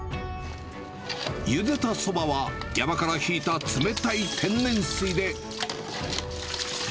ゆでたそばは山からひいた冷たい天然水で。